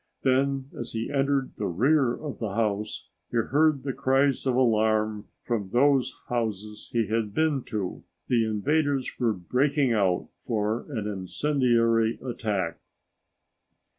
Then, as he entered the rear of the house, he heard the cries of alarm from those houses he had been to. The invaders were breaking out for an incendiary attack.